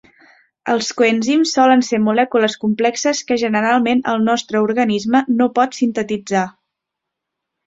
Els coenzims solen ser molècules complexes, que generalment el nostre organisme no pot sintetitzar.